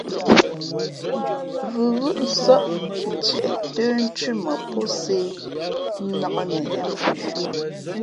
Vʉvʉ́ʼ nsάʼ ntieʼ ntə́nthʉ́ mα pō sē nnāk nehē lά.